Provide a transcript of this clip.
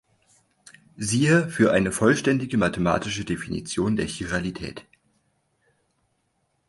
Siehe für eine vollständige mathematische Definition der Chiralität.